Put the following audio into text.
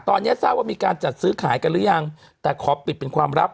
ตอนนี้ทราบว่ามีการจัดซื้อขายกันหรือยังแต่ขอปิดเป็นความลับ